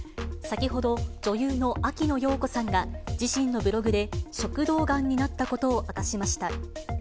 先ほど女優の秋野暢子さんが、自身のブログで食道がんになったことを明かしました。